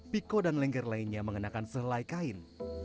piko dan lengger lainnya mengenakan selai kain